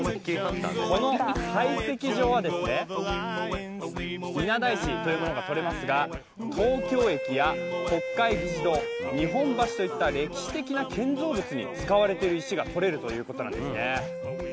この採石場は稲田石というものがとれますが、東京駅や国会議事堂、日本橋といった歴史的な建造物に使われている石がとれるということなんですね。